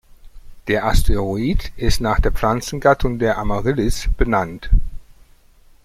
Der Asteroid ist nach der Pflanzengattung der Amaryllis benannt.